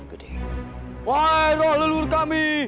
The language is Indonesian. wahai roh leluhur kami